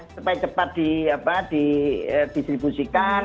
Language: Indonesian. supaya cepat di distribusikan